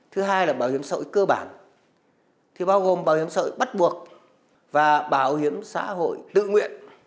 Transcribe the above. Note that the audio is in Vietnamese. thứ hai là bảo hiểm xã hội cơ bản thì bao gồm bảo hiểm xã hội bắt buộc và bảo hiểm xã hội tự nguyện